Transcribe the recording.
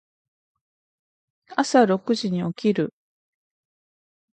朝六時に起きる。